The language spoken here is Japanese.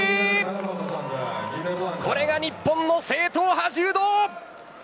これが日本の正統派柔道。